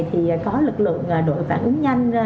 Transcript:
thì có lực lượng đội phản ứng nhanh